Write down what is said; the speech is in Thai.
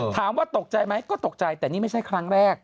ถามว่าตกใจไหมก็ตกใจแต่นี่ไม่ใช่ครั้งแรก